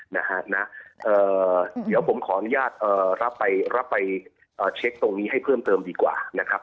เดี๋ยวผมขออนุญาตรับไปเช็คตรงนี้ให้เพิ่มเติมดีกว่านะครับ